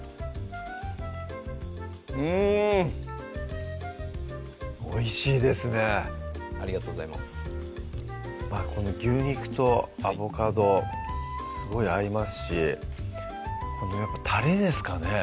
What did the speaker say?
うんおいしいですねありがとうございますこの牛肉とアボカドすごい合いますしやっぱたれですかね